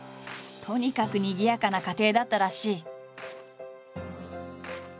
とにかくにぎやかな家庭だったらしい。